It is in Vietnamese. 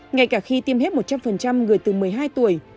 ngay cả khi tiêm hết một trăm linh người từ một mươi hai tuổi